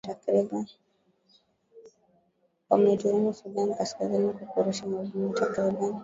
wameituhumu sudan kaskazini kwa kurusha mabomu takriban